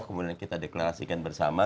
kemudian kita deklarasikan bersama